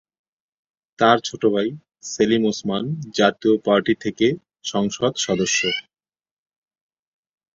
তার ছোট ভাই সেলিম ওসমান জাতীয় পার্টি থেকে সংসদ সদস্য।